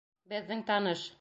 Беҙҙең таныш.